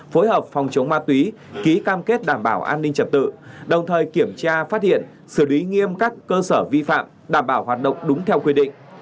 phối hợp phòng chống ma túy ký cam kết đảm bảo an ninh trật tự đồng thời kiểm tra phát hiện xử lý nghiêm các cơ sở vi phạm đảm bảo hoạt động đúng theo quy định